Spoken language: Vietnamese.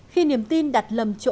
khi niềm tin đặt lầm chỗ